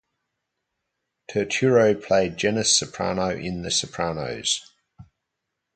Turturro played Janice Soprano in "The Sopranos".